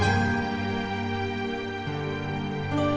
ya udah aku mau pulang